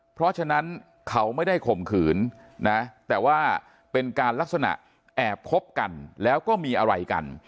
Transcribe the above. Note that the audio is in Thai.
เพราะฉะนั้นเขาไม่ได้ข่มขืนนะแต่ว่าเป็นการลักษณะแอบคบกันแล้วก็มีอะไรกัน